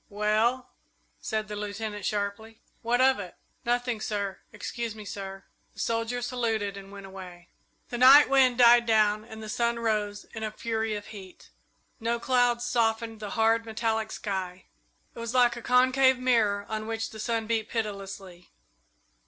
"Well," said the Lieutenant, sharply, "what of it?" "Nothing, sir excuse me, sir." The soldier saluted and went away. The night wind died down and the sun rose in a fury of heat. No clouds softened the hard, metallic sky it was like a concave mirror on which the sun beat pitilessly.